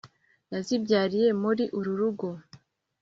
yazibyarira mri uru rugo